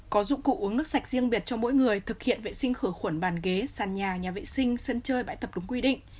có dụng cụ uống nước sạch riêng biệt cho mỗi người thực hiện vệ sinh khử khuẩn bàn ghế sàn nhà nhà vệ sinh sân chơi bãi tập đúng quy định